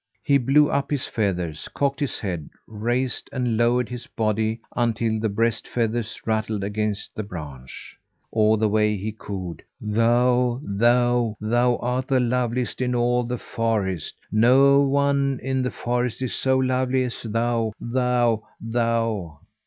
He blew up his feathers, cocked his head, raised and lowered his body, until the breast feathers rattled against the branch. All the while he cooed: "Thou, thou, thou art the loveliest in all the forest. No one in the forest is so lovely as thou, thou, thou!"